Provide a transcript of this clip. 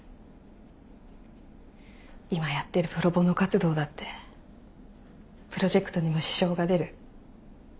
今やってるプロボノ活動だってプロジェクトにも支障が出る。